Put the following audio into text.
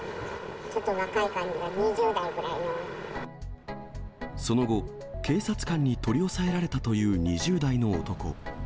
ちょっと若い感じで、２０代ぐらその後、警察官に取り押さえられたという２０代の男。